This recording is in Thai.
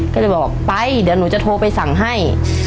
ก็เลยบอกไปเดี๋ยวหนูจะโทรไปสั่งให้